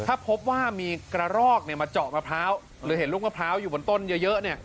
ถ้าพบว่ามีกระรอกมาเจาะมะพร้าวหรือเห็นลูกมะพร้าวอยู่บนต้นเยอะเนี่ย